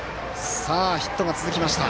ヒットが続きました。